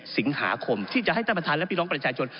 สิงหาคมที่จะให้ท่านประธานและพี่น้องประชาชน